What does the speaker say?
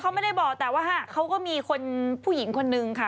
เขาไม่ได้บอกแต่ว่าเขาก็มีคนผู้หญิงคนนึงค่ะ